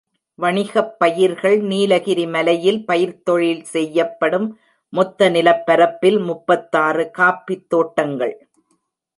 வணிகப் பயிர்கள் நீலகிரி மலையில் பயிர்த்தொழில் செய்யப்படும் மொத்த நிலப்பரப்பில் முப்பத்தாறு காஃபித் தோட்டங்கள்.